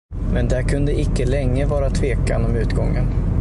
Men där kunde icke länge vara tvekan om utgången.